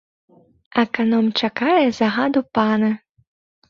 Аканом чакае загаду пана.